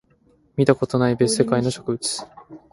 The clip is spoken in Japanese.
見たことがない別世界の植物